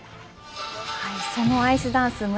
そのアイスダンス